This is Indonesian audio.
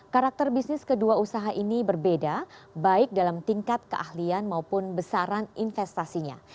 karakter bisnis kedua usaha ini berbeda baik dalam tingkat keahlian maupun besaran investasinya